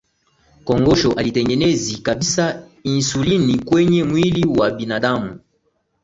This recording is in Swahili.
kongosho halitengenezi kabisa insulini kwenye mwili wa binadamu